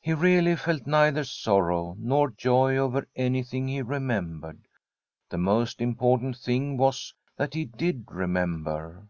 He really felt neither sorrow nor joy over any thing he remembered. The most important thing was that he did remember.